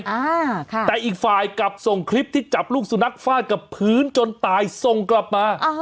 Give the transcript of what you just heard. อ่าค่ะแต่อีกฝ่ายกลับส่งคลิปที่จับลูกสุนัขฟาดกับพื้นจนตายส่งกลับมาอ่า